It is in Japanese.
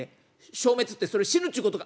消滅ってそれ死ぬっちゅうことか？